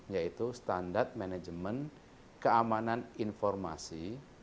yaitu standar manajemen keamanan informasi